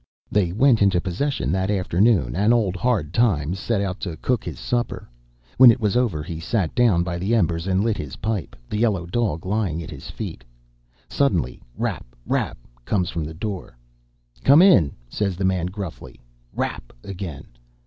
"They went into possession that afternoon, and old Hard Times set out to cook his supper. When it was over he sat down by the embers and lit his pipe, the yellow dog lying at his feet. Suddenly 'Rap! rap!' comes from the door. 'Come in,' says the man, gruffly. 'Rap!' again.